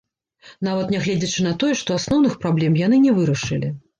Нават нягледзячы на тое, што асноўных праблем яны не вырашылі.